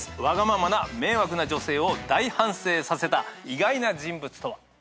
わがままな迷惑な女性を大反省させた意外な人物とは。